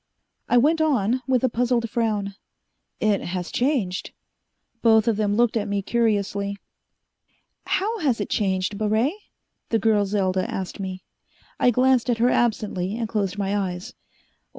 I went on, with a puzzled frown. "It has changed...." Both of them looked at me curiously. "How has it changed, Baret?" the girl, Selda, asked me. I glanced at her absently and closed my eyes.